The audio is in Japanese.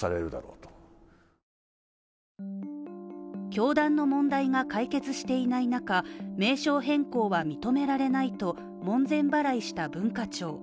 教団の問題が解決していない中、名称変更は認められないと門前払いした文化庁。